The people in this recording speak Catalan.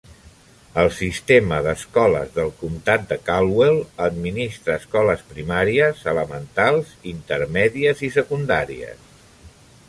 El sistema d'escoles del comtat de Caldwell administra escoles primàries, elementals, intermèdies i secundàries.